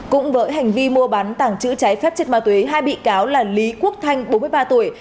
cũng với hành vi mua bán tảng chữ trái phép chết ma tuế hai bị cáo là lý quốc thanh bốn mươi ba tuổi